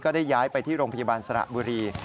ได้ย้ายไปที่โรงพยาบาลสระบุรี